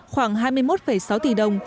khoảng hai mươi một đồng